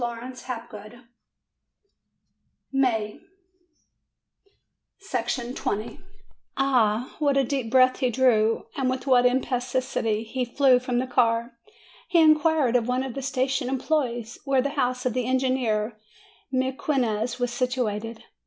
When they aroused him, he was at Cordova. Ah, what a deep breath he drew, and with what im petuosity he flew from the car! He inquired of one of the station employees where the house of the en gineer Mequinez was situated.